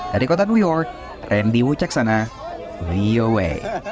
dari kota new york randy w ceksana voa